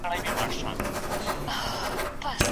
د غنمو ډیرۍ په پټي کې ایښودل شوې وه.